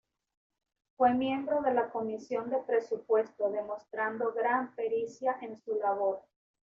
Fue miembro de la comisión de presupuesto, demostrando gran pericia en su labor.